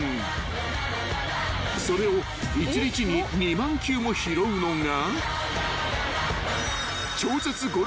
［それを一日に２万球も拾うのが］